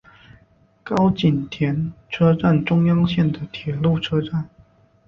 高井田车站中央线的铁路车站。